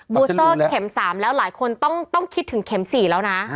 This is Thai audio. บูสเตอร์เข็ม๓แล้วหลายคนต้องคิดถึงเข็ม๔แล้วนะ